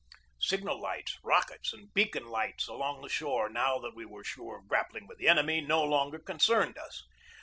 Signal lights, rockets, and beacon lights along the shore, now that we were sure of grappling with the enemy, no longer concerned us.